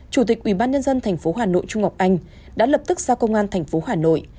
chủ tịch ubnd tp hà nội trung ngọc anh đã lập tức giao công an tp hà nội